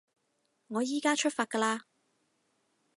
我依加出發㗎喇